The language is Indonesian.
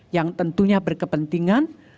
yang tentunya berkepentingan